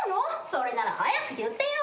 それなら早く言ってよ。